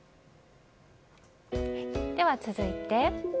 では、続いて。